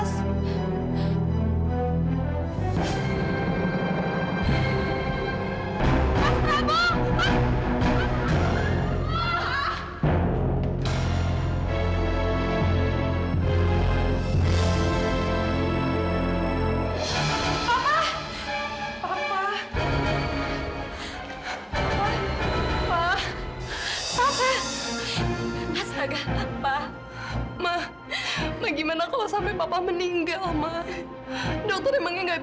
sampai jumpa di video selanjutnya